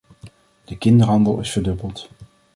De kinderhandel is verdubbeld.